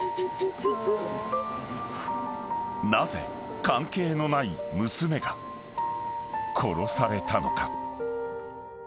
［なぜ関係のない娘が殺されたのか？］